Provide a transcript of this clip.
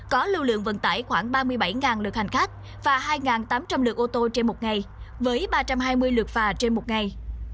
có lưu lượng vận tải khoảng ba mươi bảy lượt hành khách và hai tám trăm linh lượt ô tô trên một ngày với ba trăm hai mươi lượt phà trên một ngày